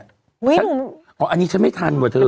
อันนี้ฉันไม่ทันว่ะเธอ